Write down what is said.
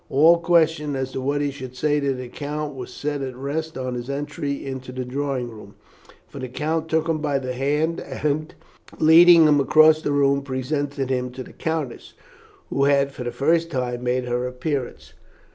All question as to what he should say to the count was set at rest on his entry into the drawing room, for the count took him by the hand, and, leading him across the room, presented him to the countess, who had for the first time made her appearance.